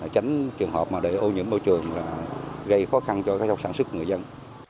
tránh trường hợp mà để ô nhiễm môi trường gây khó khăn cho các sản xuất người dân